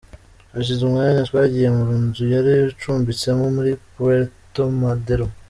Hashize umwanya twagiye mu nzu yari acumbitsemo muri Puerto Madero.